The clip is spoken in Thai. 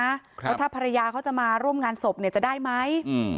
ว่าถ้าภรรยาเขาจะมาร่วมงานศพเนี่ยจะได้ไหม